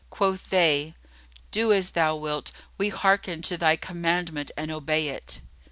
Quoth they, "Do as thou wilt, we hearken to thy commandment and obey it."